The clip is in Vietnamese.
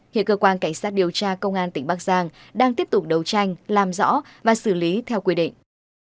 hiện cơ quan cảnh sát điều tra công an tỉnh bắc giang đang tiếp tục đấu tranh làm rõ và xử lý theo quy định